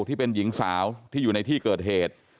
ที่เป็นหญิงสาวที่อยู่ในที่เกิดเหตุ